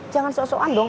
jangan sok sokan dong